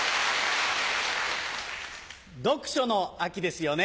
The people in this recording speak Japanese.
読書の秋ですよね。